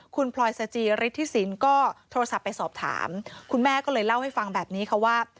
คุณพลอยสจิฤทธิสินก็โทรศัพท์ไปสอบถามคุณแม่ก็เลยเล่าให้ฟังแบบนี้ค่ะว่า